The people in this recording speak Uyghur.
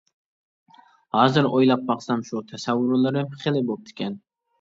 ھازىر ئويلاپ باقسام شۇ تەسەۋۋۇرلىرىم خېلى بوپتىكەن.